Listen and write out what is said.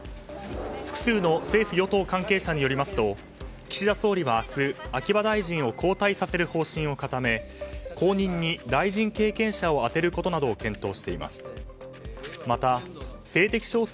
複数の政府・与党関係者によりますと岸田総理は明日秋葉大臣を交代させる方針を固め後任に、大臣経験者を充てることなどを検討しています。